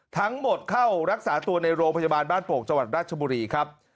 ทั้งหมดเข้ารักษาตัวในโรงพยาบาลบ้านโป่งจังหวัดราชบุรีครับ